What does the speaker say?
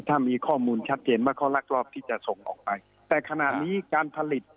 ถ้ามีข้อมูลชัดเจนว่าเขาลักลอบที่จะส่งออกไปแต่ขณะนี้การผลิต